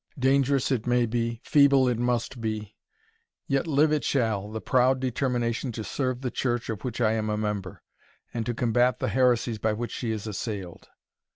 Dangerous it may be feeble it must be yet live it shall, the proud determination to serve the Church of which I am a member, and to combat the heresies by which she is assailed."